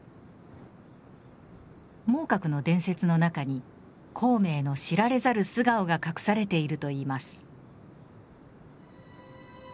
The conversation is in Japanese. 孟獲の伝説の中に孔明の知られざる素顔が隠されているといいます。